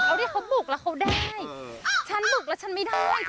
เอาที่เขาบุกแล้วเขาได้ฉันบุกแล้วฉันไม่ได้